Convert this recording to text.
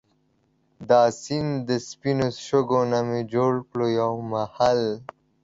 دا سیند دا سپينو شګو نه مي جوړ کړو يو محل